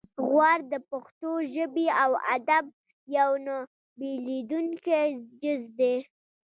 غور د پښتو ژبې او ادب یو نه بیلیدونکی جز دی